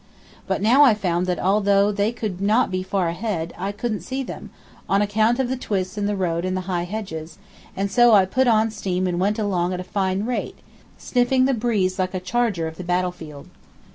But now I found that although they could not be far ahead, I couldn't see them, on account of the twists in the road and the high hedges, and so I put on steam and went along at a fine rate, sniffing the breeze like a charger of the battlefield.